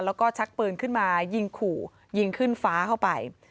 แล้วก็ชักปืนขึ้นมายิงขู่ยิงขึ้นฟ้าเข้าไป